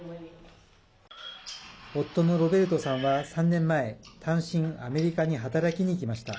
夫のロベルトさんは３年前単身アメリカに働きに行きました。